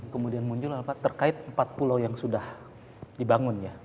kemudian muncul terkait empat pulau yang sudah dibangun ya